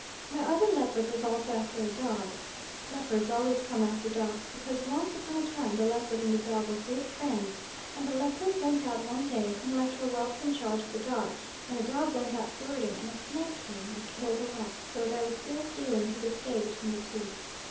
My other leopard was also after a dog. Leopards always come after dogs, because once upon a time the leopard and the dog were great friends, and the leopard went out one day and left her whelps in charge of the dog, and the dog went out flirting, and a snake came and killed the whelps, so there is ill feeling to this day between the two.